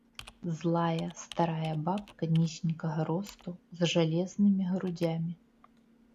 Злая старая бабка нізенькага росту, з жалезнымі грудзямі.